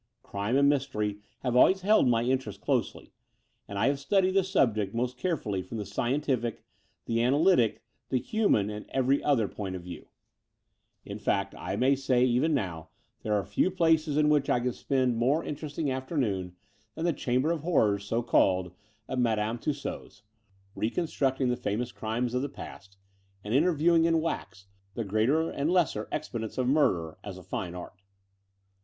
Crime and mystery have always held my interest closely; and I have studied the subject most carefully from the scientific, the analytic, the human, and every other point of view. In fact, I may say that even now there are few places in 40 The Door of the Unreal which I can spend a more interesting afternoon than the Chamber of Horrors (so called) at Ma dame Tussaud's, reconstructing the famous crimes of the past, and interviewing, in wax, the greater and lesser exponents of murder as a fine art."